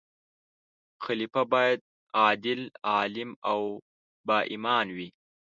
خلیفه باید عادل، عالم او با ایمان وي.